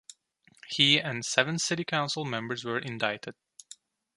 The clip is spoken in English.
He and seven city council members were indicted.